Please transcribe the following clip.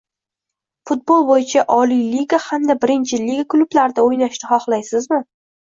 Futbol bo‘yicha oliy liga hamda birinchi liga klublarida o‘ynashni hoxlaysizmi?